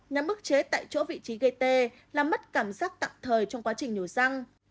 nắm bức chế tại chỗ vị trí gây tê làm mất cảm giác tạm thời trong quá trình nhổ răng